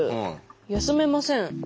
休めません。